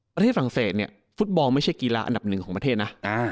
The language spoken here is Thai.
ประเทศฝรั่งเศสเนี่ยฟุตบอลไม่ใช่กีฬาอันดับ๑ของประเทศนะ